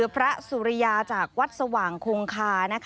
พระสุริยาจากวัดสว่างคงคา